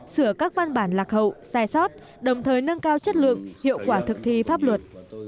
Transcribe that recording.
sửa các văn bản lạc hậu sai sót đồng thời nâng cao chất lượng hiệu quả thực thi pháp luật